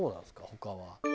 他は。